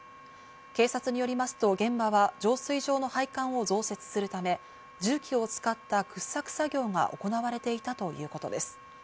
警察によりますと、現場は浄水場の配管を増設するため、重機を使った掘削作業が行われていたということです。